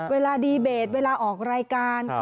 เวลาดีเบตเวลาออกรายการ